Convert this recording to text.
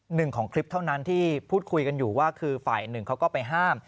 หนึ่งของคลิปเท่านั้นที่พูดคุยกันอยู่ว่าคือฝ่ายหนึ่งเขาก็ไปห้าม